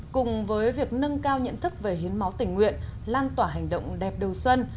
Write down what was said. cùng với việc nâng cao nhận thức về hiến máu tình nguyện lan tỏa hành động đẹp đầu xuân